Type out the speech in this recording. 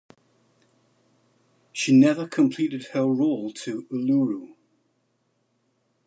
She never completed her roll to Uluru.